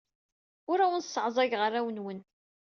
Ur awen-sseɛẓageɣ arraw-nwen.